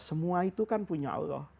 semua itu kan punya allah